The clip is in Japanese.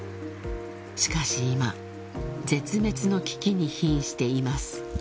［しかし今絶滅の危機にひんしています］